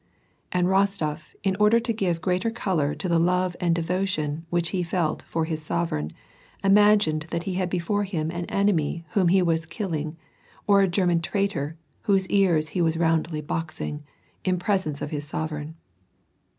" and Kostof, in order to give greater color to the love and devotion which he felt for his sovereign, imagined that he had before him an enemy whom he was killing, or a German traitor, whose ears he was roundly boxing, in pres ence of his sovereign.